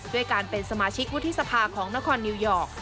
ด้วยการเป็นสมาชิกวุฒิสภาของนครนิวยอร์ก